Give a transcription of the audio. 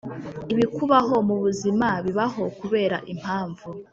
Ibikubaho mu buzima bibaho kubera impamvu